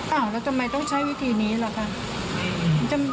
แล้วทำไมต้องใช้วิธีนี้หรือคะ